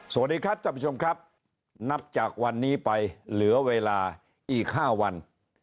สวัสดีครับท่านผู้ชมครับนับจากวันนี้ไปเหลือเวลาอีก๕วัน